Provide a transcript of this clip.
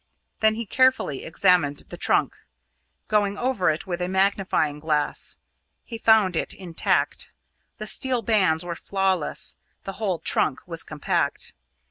Then he carefully examined the trunk, going over it with a magnifying glass. He found it intact: the steel bands were flawless; the whole trunk was compact.